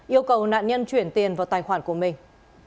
yêu cầu nạn nhân chuyển tiền vào tài khoản của mình